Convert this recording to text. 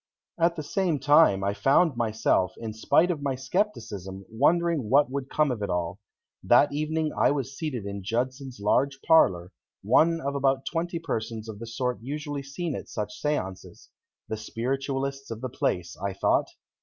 At the same time I found myself, in spite of my skepticism, wondering what would come of it all. That evening I was seated in Judson's large parlor, one of about twenty persons of the sort usually seen at such séances; the Spiritualists of the place, I thought.